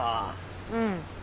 うん。